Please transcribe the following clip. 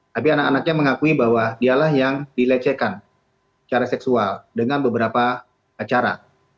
tapi anak anaknya mengakui bahwa dialah yang dilecehkan secara seksual dengan beberapa acara